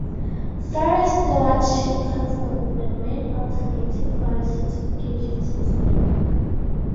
Forest Stewardship Council is the main alternative forest certification system.